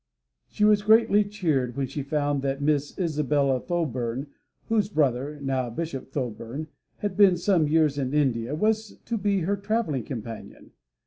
She was greatly cheered when she found that Miss Isabella Thoburn, whose brother (now Bishop Thoburn) had been some years in India, was to be her traveling companion.